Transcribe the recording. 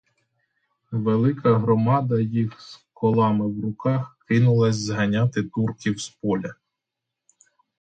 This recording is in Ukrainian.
Велика громада їх з колами в руках кинулася зганяти турків з поля.